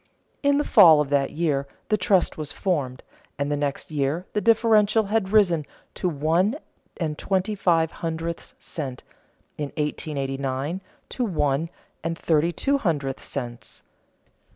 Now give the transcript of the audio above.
In the fall of that year the trust was formed; and the next year the differential had risen to one and twenty five hundredths cents, in 1889 to one and thirty two hundredths cents.